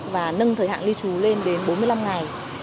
và nâng thời hạn lưu trú lên đến bốn mươi năm ngày